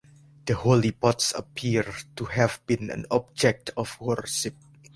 The holy pots appear to have been an object of worship.